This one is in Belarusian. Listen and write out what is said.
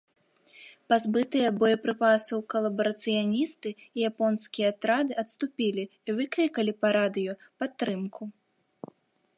Пазбытыя боепрыпасаў калабарацыяністы і японскія атрады адступілі і выклікалі па радыё падтрымку.